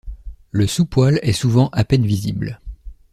Le sous-poil est souvent à peine visible.